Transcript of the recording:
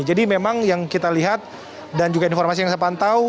memang yang kita lihat dan juga informasi yang saya pantau